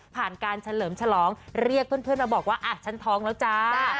ผ่านการเฉลิมฉลองเรียกเพื่อนมาบอกว่าฉันท้องแล้วจ้า